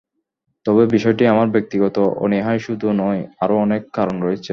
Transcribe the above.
তবে বিষয়টি আমার ব্যক্তিগত অনীহাই শুধু নয়, আরও অনেক কারণ রয়েছে।